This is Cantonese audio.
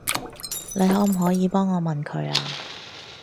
你可唔可以幫我問佢啊？